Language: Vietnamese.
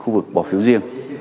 khu vực bỏ phiếu riêng